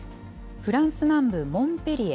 フランス南部モンペリエ。